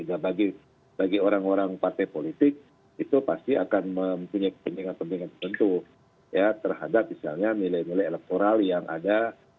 nah bagi orang orang partai politik itu pasti akan mempunyai kepentingan kepentingan tertentu ya terhadap misalnya nilai nilai elektoral yang ada